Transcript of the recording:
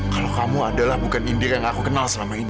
kalau kamu adalah bukan indir yang aku kenal selama ini